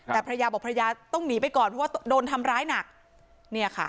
แต่ภรรยาบอกภรรยาต้องหนีไปก่อนเพราะว่าโดนทำร้ายหนักเนี่ยค่ะ